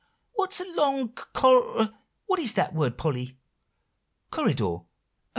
"What's a long cor what is that word, Polly?" "Corridor; oh!